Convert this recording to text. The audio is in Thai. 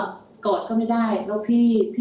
แล้วพี่เวียวก็ร้องไห้เขาบอกอย่างนี้